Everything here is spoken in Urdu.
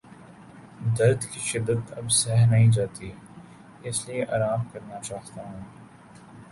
درد کی شدت اب سہی نہیں جاتی اس لیے آرام کرنا چاہتا ہوں۔